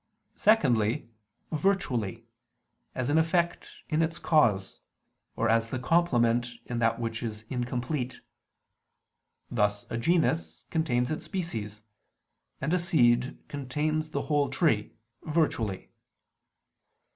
Secondly, virtually; as an effect in its cause, or as the complement in that which is incomplete; thus a genus contains its species, and a seed contains the whole tree, virtually.